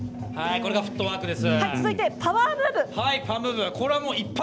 今のがフットワークです。